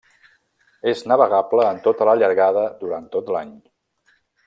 És navegable en tota la llargada durant tot l'any.